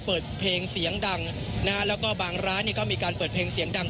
เปิดเพลงเสียงดังนะฮะแล้วก็บางร้านเนี่ยก็มีการเปิดเพลงเสียงดัง